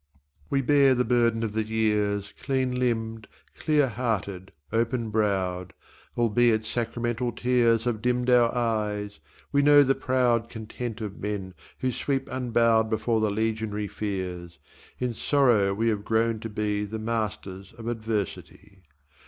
We bear the burden of the years Clean limbed, clear hearted, open browed; Albeit sacramental tears Have dimmed our eyes, we know the proud Content of men who sweep unbowed Before the legionary fears; In sorrow we have grown to be The masters of adversity.